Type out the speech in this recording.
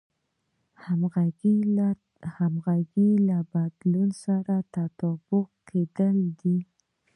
همغږي له بدلون سره تطابق کېدل دي.